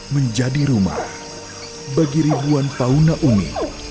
menjadi rumah bagi ribuan fauna umi